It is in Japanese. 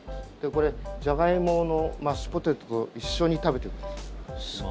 これ、ジャガイモのマッシュポテトと一緒に食べてください。